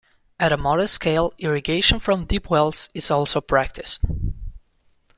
At a modest scale, irrigation from deep-wells is also practiced.